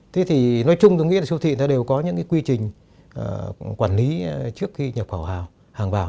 thế thì nói chung tôi nghĩ là siêu thị đều có những quy trình quản lý trước khi nhập vào hàng vào